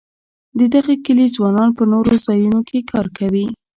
د دغه کلي ځوانان په نورو ځایونو کې کار کوي.